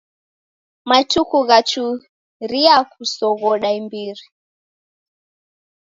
Matuku ghachuria kusoghoda imbiri.